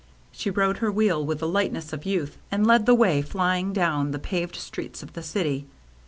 She rode her wheel with the light ness of youth, and led the way flying down the paved streets of the city.